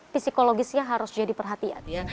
psikologisnya harus jadi perhatian